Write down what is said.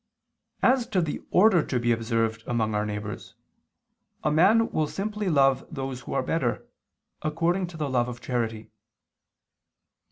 As to the order to be observed among our neighbors, a man will simply love those who are better, according to the love of charity.